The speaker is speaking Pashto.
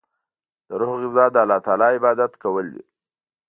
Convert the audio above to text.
د روح غذا د الله تعالی عبادت کول دی.